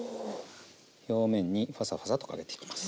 表面にパサパサとかけていきます。